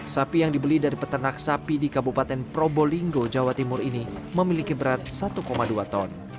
sapi yang dibeli dari peternak sapi di kabupaten probolinggo jawa timur ini memiliki berat satu dua ton